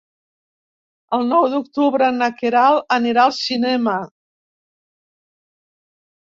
El nou d'octubre na Queralt anirà al cinema.